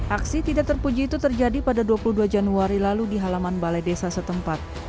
aksi tidak terpuji itu terjadi pada dua puluh dua januari lalu di halaman balai desa setempat